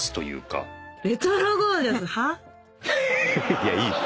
いやいいよ。